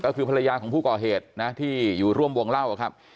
ก็คือภรรยาของผู้ก่อเหตุนะที่อยู่ร่วมวงเล่าครับ